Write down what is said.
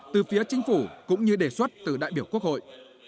từ phía chính phủ cũng như đề xuất từ đại biểu quốc hội